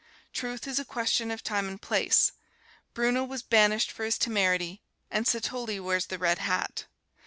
Truth is a question of time and place. Bruno was banished for his temerity, and Satolli wears the red hat.